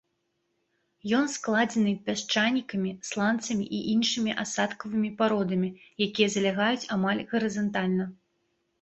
Ён складзены пясчанікамі, сланцамі і іншымі асадкавымі пародамі, якія залягаюць амаль гарызантальна.